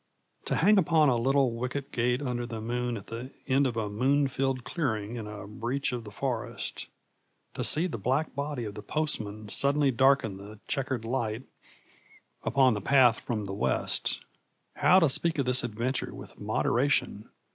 To hang upon a little wicket gate under the moon at the end of a moon filled clearing in a breach of the forest, to see the black body of the postman suddenly darken the checkered light upon the path from the west, how to speak of this adventure with moderation!